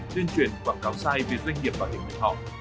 tuyên truyền quảng cáo sai về doanh nghiệp bảo hiểm nhân thọ